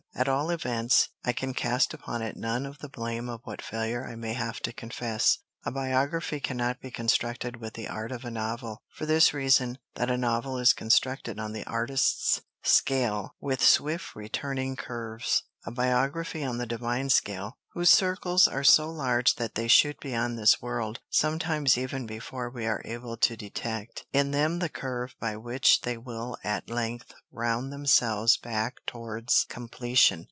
At all events, I can cast upon it none of the blame of what failure I may have to confess. A biography cannot be constructed with the art of a novel, for this reason: that a novel is constructed on the artist's scale, with swift returning curves; a biography on the divine scale, whose circles are so large that they shoot beyond this world, sometimes even before we are able to detect in them the curve by which they will at length round themselves back towards completion.